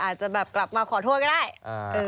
อาจจะแบบกลับมาขอโทษก็ได้